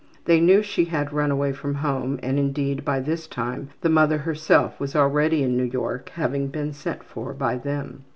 They knew she had run away from home and, indeed, by this time the mother herself was already in New York, having been sent for by them.